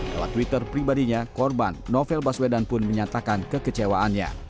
dalam twitter pribadinya korban novel baswedan pun menyatakan kekecewaannya